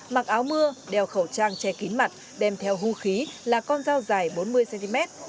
mặc áo mưa đeo khẩu trang che kín mặt đem theo hưu khí là con dao dài bốn mươi cm